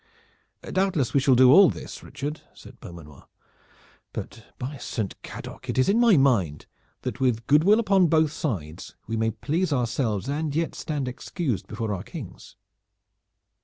"Doubtless we shall do all this, Richard," said Beaumanoir; "but by Saint Cadoc it is in my mind that with good will upon both sides we may please ourselves and yet stand excused before our Kings."